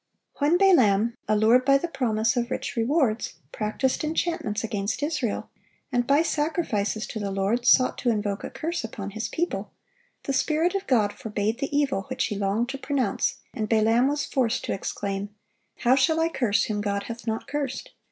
(927) When Balaam, allured by the promise of rich rewards, practised enchantments against Israel, and by sacrifices to the Lord sought to invoke a curse upon His people, the Spirit of God forbade the evil which he longed to pronounce, and Balaam was forced to exclaim: "How shall I curse, whom God hath not cursed?